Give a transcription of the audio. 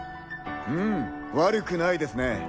うん悪くないですね。